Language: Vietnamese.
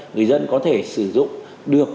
người dân có thể sử dụng được